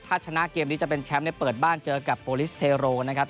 ถ้าชนะเกมนี้จะเป็นแชมป์เนี่ยเปิดบ้านเจอกับโปรลิสเทโรนะครับ